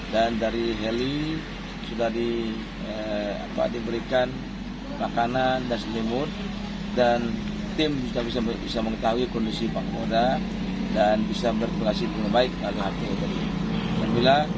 dan dari heli sudah diberikan makanan dan selimut dan tim juga bisa mengetahui kondisi kepala polda dan bisa berhasil membaikkan harga harga